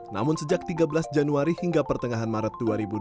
namun sejak tiga belas januari hingga pertengahan maret dua ribu dua puluh